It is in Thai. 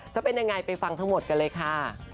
จะเป็นยังไงไปฟังทั้งหมดกันเลยค่ะ